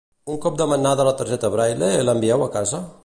Un cop demanada la targeta Braille, l'envieu a casa?